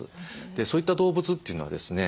そういった動物というのはですね